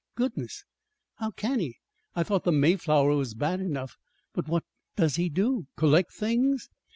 "Goodness! How can he? I thought the Mayflower was bad enough. But what does he do collect things?"